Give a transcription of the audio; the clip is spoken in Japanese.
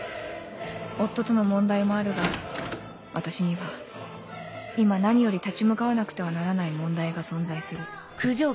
夫との問題もあるが私には今何より立ち向かわなくてはならない問題が存在する